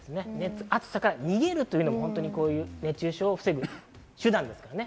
暑さから逃げるというのも熱中症を防ぐ手段ですからね。